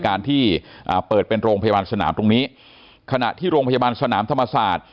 การที่เปิดเป็นโรงพยาบาลสนามตรงนี้ขณะที่โรงพยาบาลสนามธรรมศาสตร์